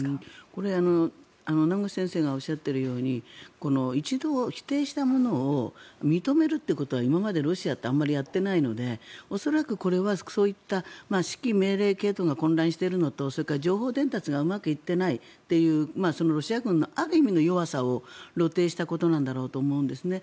これ、名越先生がおっしゃっているように一度否定したものを認めるということは今までロシアってあんまりやっていないので恐らくこれはそういった指揮命令系統が混乱しているのと、それから情報伝達がうまくいっていないというそのロシア軍のある意味の弱さを露呈したことなんだろうと思うんですね。